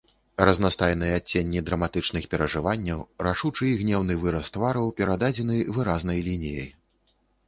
Разнастайныя адценні драматычных перажыванняў, рашучы і гнеўны выраз твараў перададзены выразнай лініяй.